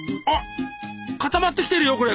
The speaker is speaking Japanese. あっ固まってきてるよ